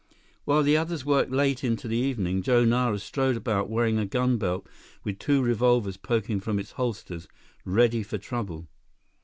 While the others worked late into the evening, Joe Nara strode about wearing a gun belt with two revolvers poking from its holsters, ready for trouble.